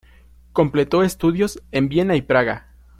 Completó estudios en Viena y Praga.